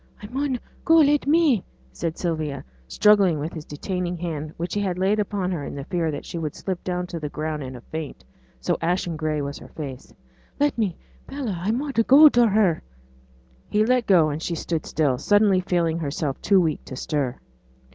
'I mun go let me,' said Sylvia, struggling with his detaining hand, which he had laid upon her in the fear that she would slip down to the ground in a faint, so ashen gray was her face. 'Let me, Bella, I mun go see her.' He let go, and she stood still, suddenly feeling herself too weak to stir.